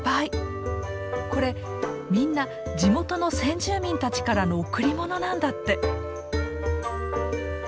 これみんな地元の先住民たちからの贈り物なんだって。